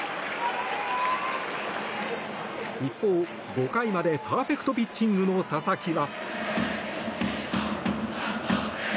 一方、５回までパーフェクトピッチングの佐々木は。